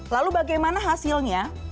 lalu bagaimana hasilnya